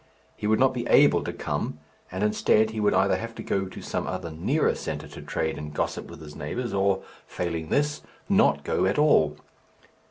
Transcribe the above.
He would not be able to come and, instead, he would either have to go to some other nearer centre to trade and gossip with his neighbours or, failing this, not go at all.